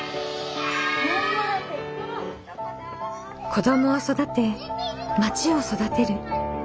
子どもを育てまちを育てる。